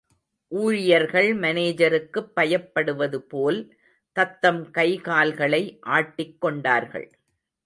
ஊழியர்கள், மானேஜருக்குப் பயப்படுவதுபோல், தத்தம் கைகால்களை ஆட்டிக் கொண்டார்கள்.